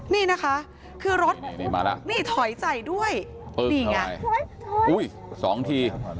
นี่นะคะคือรถนี่่มมาละนี่ถอยใจด้วยอุ๊ย๒ที